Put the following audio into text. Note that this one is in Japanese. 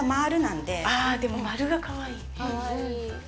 でも、丸がかわいいね。